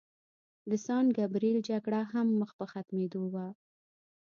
د سان ګبریل جګړه هم مخ په ختمېدو وه.